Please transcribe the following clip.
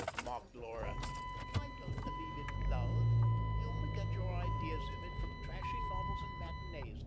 mocked Laura. "I don't believe in love. You only get your ideas of it from trashy novels and matinees.